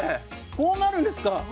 こうなるんですか？